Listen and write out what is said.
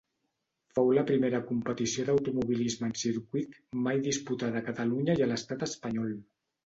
Fou la primera competició d'automobilisme en circuit mai disputada a Catalunya i a l'estat espanyol.